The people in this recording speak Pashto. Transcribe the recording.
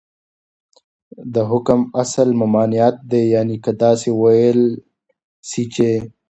دحكم اصل ، ممانعت دى يعني كه داسي وويل سي چې